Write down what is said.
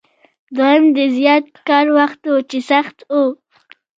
دویم د زیات کار وخت و چې سخت و.